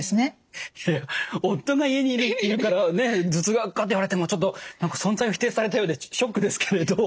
いや夫が家にいるっていうからね頭痛が悪化って言われてもちょっと存在を否定されたようでショックですけれど。